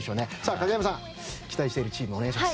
影山さん、期待しているチームをお願いします。